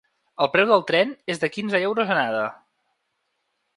El preu del tren és de quinze euros anada.